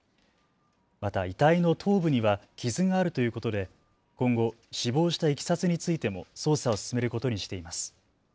また遺体の頭部には傷があるということで今後、死亡したいきさつについても捜査を進めることにしています。